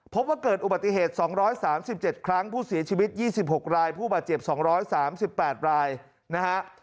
พบว่าเกิดอุบัติเหตุ๒๓๗ครั้งผู้เสียชีวิต๒๖รายผู้บาดเจ็บ๒๓๘รายนะฮะ